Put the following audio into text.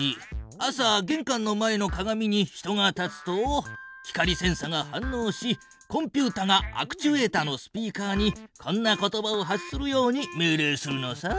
朝げんかんの前の鏡に人が立つと光センサが反のうしコンピュータがアクチュエータのスピーカーにこんな言葉を発するように命令するのさ。